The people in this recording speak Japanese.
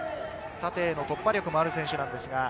縦への突破力もある選手です。